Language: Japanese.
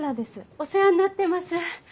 お世話になってます。